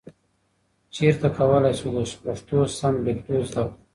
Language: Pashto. چیرته کولای شو د پښتو سم لیکدود زده کړو؟